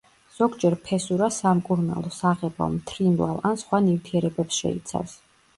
ზოგჯერ ფესურა სამკურნალო, საღებავ, მთრიმლავ ან სხვა ნივთიერებებს შეიცავს.